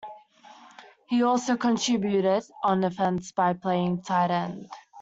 He also contributed on offense by playing tight end.